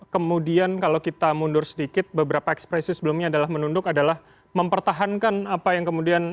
kemudian kalau kita mundur sedikit beberapa ekspresi sebelumnya adalah menunduk adalah mempertahankan apa yang kemudian